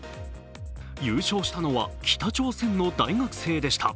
優勝したのは北朝鮮の大学生でした。